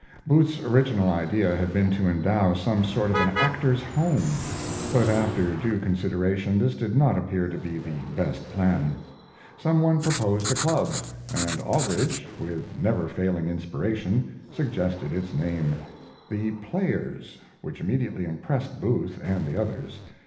Booth's original idea had been to endow some sort of an actors' home, but after due consideration this did not appear to be the best plan. Some one proposed a club, and Aldrich, with never failing inspiration, suggested its name, The Players, which immediately impressed Booth and the others.